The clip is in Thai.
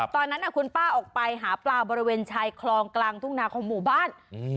ตอนนั้นคุณป้าออกไปหาปลาบริเวณชายคลองกลางทุ่งนาของหมู่บ้าน